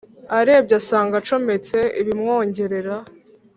arebye asanga acometse ibimwongerera